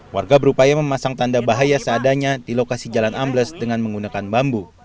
warga berupaya memasang tanda bahaya seadanya di lokasi jalan ambles dengan menggunakan bambu